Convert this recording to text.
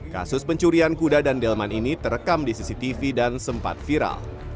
kasus pencurian kuda dan delman ini terekam di cctv dan sempat viral